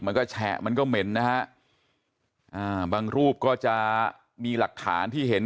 มันก็แฉะมันก็เหม็นนะฮะอ่าบางรูปก็จะมีหลักฐานที่เห็น